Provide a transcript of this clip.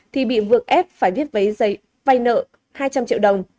thì bị vượng ép phải viết giấy vay nợ hai trăm linh triệu đồng